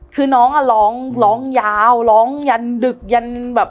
คือน้องน้องล้องยาวยันดึกยัน